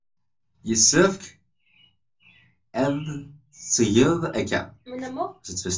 Yessefk ad t-tgeḍ akka.